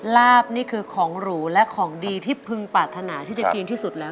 ลาบนี่คือของหรูและของดีที่พึงปรารถนาที่จะกินที่สุดแล้ว